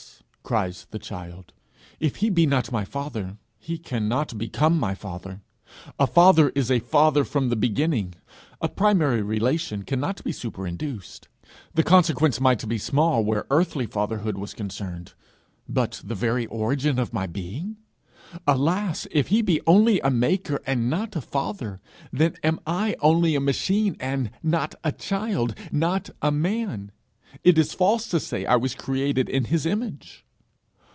cries the child, 'if he be not my father, he cannot become my father. A father is a father from the beginning. A primary relation cannot be superinduced. The consequence might be small where earthly fatherhood was concerned, but the very origin of my being alas, if he be only a maker and not a father! Then am I only a machine, and not a child not a man! It is false to say I was created in his image!